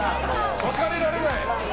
別れられない。